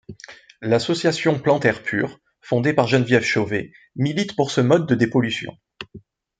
L'association Plant'airpur, fondée par Geneviève Chaudet, milite pour ce mode de dépollution.